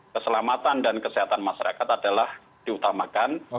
keselamatan dan kesehatan masyarakat adalah diutamakan